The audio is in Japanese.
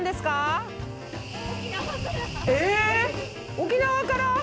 沖縄から？